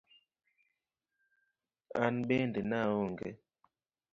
An bende naong'e.